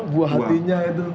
buah hatinya itu